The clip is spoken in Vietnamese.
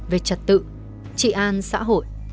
về trật tự trị an xã hội